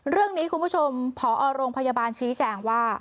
เรื่องนี้คุณผู้ชมพอโรงพยาบาลชินิแจงว่า